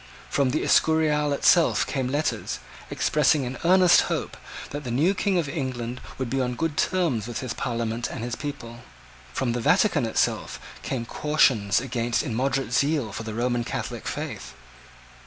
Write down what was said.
From the Escurial itself came letters, expressing an earnest hope that the new King of England would be on good terms with his Parliament and his people. From the Vatican itself came cautions against immoderate zeal for the Roman Catholic faith.